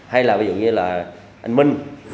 hay là ví dụ như là anh minh